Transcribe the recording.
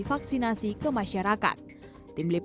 sehingga mereka bisa memperbaiki kemampuan